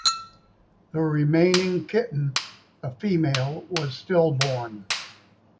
The remaining kitten, a female, was stillborn.